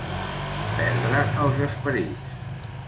Perdre els esperits.